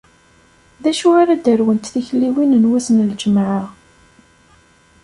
D acu ara d-arwent tikliwin n wass n lǧemεa?